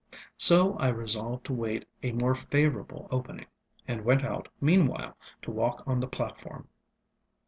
So I resolved to await a more favorable opening, and went out meanwhile to walk on the platform.